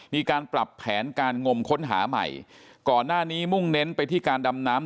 มีการปรับแผนการงมค้นหาใหม่ก่อนหน้านี้มุ่งเน้นไปที่การดำน้ำ